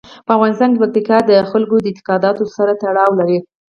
په افغانستان کې پکتیکا د خلکو د اعتقاداتو سره تړاو لري.